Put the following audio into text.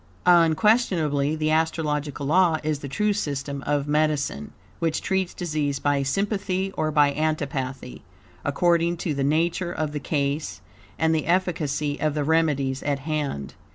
Unquestionably, the astrological law is the true system of medicine, which treats disease by sympathy or by antipathy, according to the nature of the case, and the efficacy of the remedies at hand.